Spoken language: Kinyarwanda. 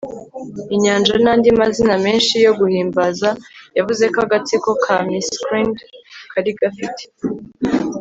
inyanja nandi mazina menshi yo guhimbaza. yavuze ko agatsiko ka miscreant kari gafite